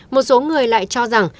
một số người lại cho rằng